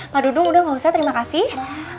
pak dudung udah gak usah terima kasih